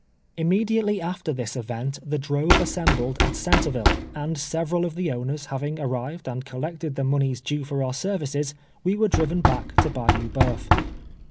Immediately after tbis event tbe drove assembled at Centreville, and several of tbe owners baving ar rived and collected tbe monies due for our services, we were driven back to Bayou Bo3uf.